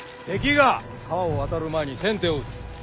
敵が川を渡る前に先手を打つ。